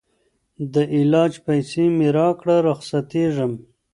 د علاج پیسې مي راکړه رخصتېږم